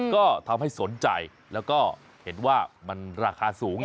ก็ทำให้สนใจแล้วก็เห็นว่ามันราคาสูง